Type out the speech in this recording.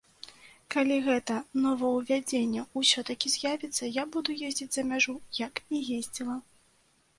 Калі гэта новаўвядзенне ўсё-такі з'явіцца, я буду ездзіць за мяжу, як і ездзіла.